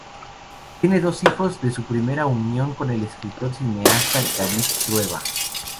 Tiene dos hijos de su primera unión con el escritor y cineasta David Trueba.